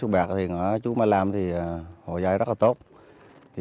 bạc thì nói chú ma lam thì hòa giải rất là tốt